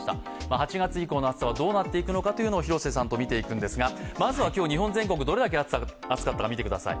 ８月以降の夏はどうなっていくのかというのを広瀬さんと見ていきますが、まずは今日日本全国どれだけ暑かったか見てください。